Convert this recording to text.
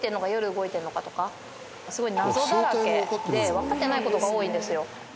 わかってない事が多いんですよ。